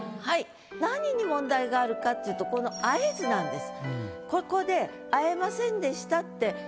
何に問題があるかっていうとこの「会えず」なんです。